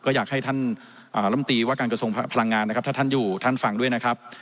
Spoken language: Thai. ก็อยากให้ท่านลำตีว่าการกระทรวงพลังงานนะครับถ้าท่านอยู่ท่านฟังด้วยนะครับ